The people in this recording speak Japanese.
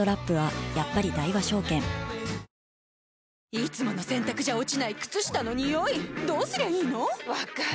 いつもの洗たくじゃ落ちない靴下のニオイどうすりゃいいの⁉分かる。